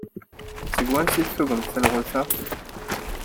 Seg wansi i d-tugem talɣut-a?